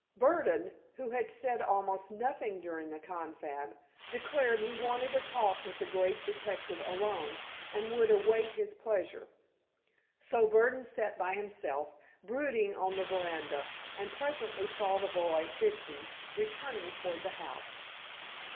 Burdon, who had said almost nothing during the confab, declared he wanted a talk with the great detective alone, and would await his pleasure. So Burdon sat by himself, brooding, on the veranda, and presently saw the boy, Fibsy, returning toward the house.